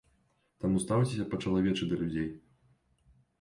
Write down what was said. Таму стаўцеся па-чалавечы да людзей.